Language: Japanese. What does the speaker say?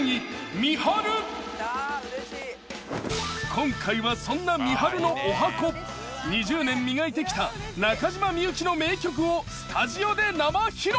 今回はそんなみはるのおはこ２０年磨いてきた中島みゆきの名曲をスタジオで生披露。